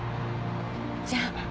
じゃあ。